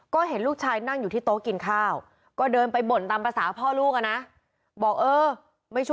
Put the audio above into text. ก็เห็นลูกชายนั่งอยู่ที่โต๊ะกินข้าว